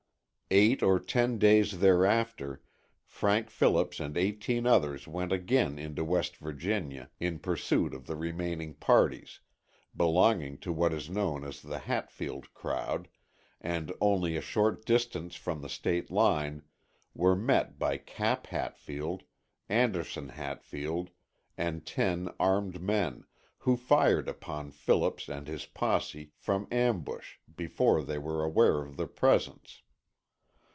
Eight or ten days thereafter, Frank Phillips and eighteen others went again into West Virginia in pursuit of the remaining parties, belonging to what is known as the Hatfield crowd, and only a short distance from the State line were met by Cap Hatfield, Anderson Hatfield and ten armed men, who fired upon Phillips and his posse from ambush before they were aware of their presence.